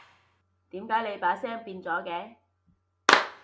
點解你把聲變咗嘅？